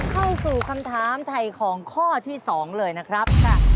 เข้าสู่คำถามถ่ายของข้อที่๒เลยนะครับ